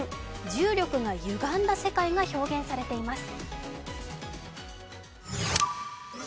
重力がゆがんだ世界が表現されています。